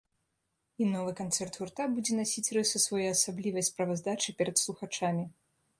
І новы канцэрт гурта будзе насіць рысы своеасаблівай справаздачы перад слухачамі.